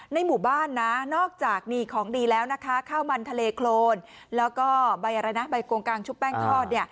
ในหมู่บ้านนะนอกจากมีของดีแล้วนะคะข้าวมันทะเลโครนแล้วก็ใบอะไรนะใบโกงกางชุบแป้งทอด